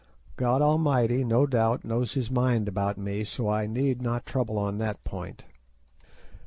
God Almighty, no doubt, knows His mind about me, so I need not trouble on that point.